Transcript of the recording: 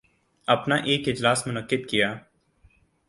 اپنا ایک اجلاس منعقد کیا